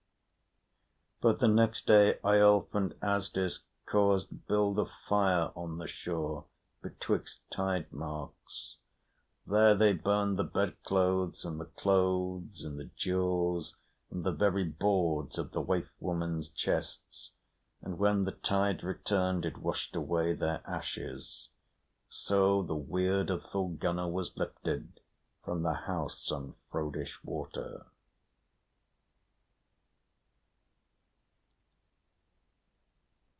But the next day Eyolf and Asdis caused build a fire on the shore betwixt tide marks. There they burned the bed clothes, and the clothes, and the jewels, and the very boards of the waif woman's chests; and when the tide returned it washed away their ashes. So the weird of Thorgunna was lifted from the house on Frodis Water.